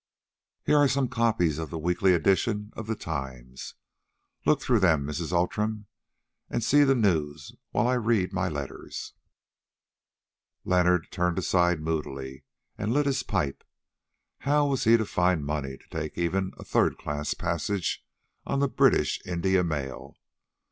Here are some copies of the weekly edition of the 'Times'; look through them, Mrs. Outram, and see the news while I read my letters." Leonard turned aside moodily and lit his pipe. How was he to find money to take even a third class passage on the British India mail?